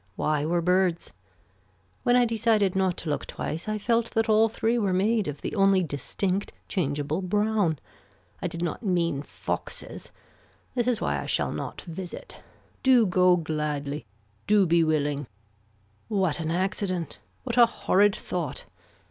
Why were birds. When I decided not to look twice I felt that all three were made of the only distinct changeable brown. I did not mean foxes. This is why I shall not visit. Do go gladly. Do be willing. What an accident. What a horrid thought.